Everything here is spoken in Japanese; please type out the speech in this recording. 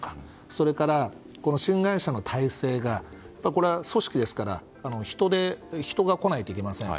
それから新会社の体制が組織ですから人が来ないといけません。